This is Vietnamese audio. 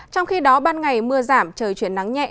trong khi đó ban ngày mưa giảm trời chuyển nắng nhẹ